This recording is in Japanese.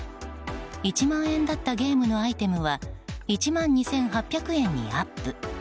１万円だったゲームのアイテムは１万２８００円にアップ。